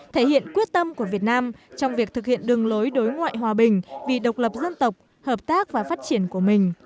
thể hiện quyết tâm của việt nam trong việc thực hiện đường lối đối ngoại hòa bình vì độc lập dân tộc hợp tác và phát triển của mình